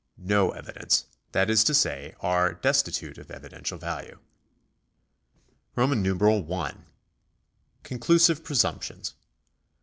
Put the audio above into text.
No evidence — that is to say, are destitute of evidential value. I. Conclusive presumptions.